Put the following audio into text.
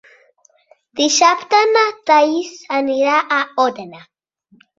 Dissabte na Thaís anirà a Òdena.